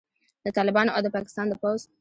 د طالبانو او د پاکستان د پوځ